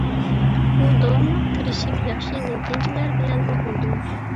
ئۇ داۋاملىق تىرىشىپ ياخشى نەتىجىلەر بىلەن ئوقۇيدۇ.